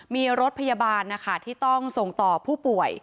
มีรถพยาบาลนะคะที่ต้องส่งต่อผู้ป่วย